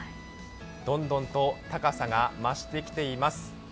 どんどんと高さが増してきています。